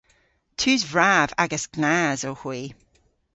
Tus vrav agas gnas owgh hwi.